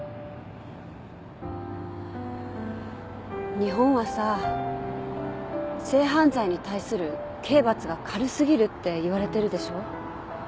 日本はさ性犯罪に対する刑罰が軽すぎるっていわれてるでしょ。